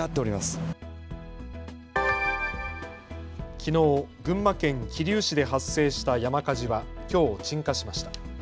きのう群馬県桐生市で発生した山火事はきょう鎮火しました。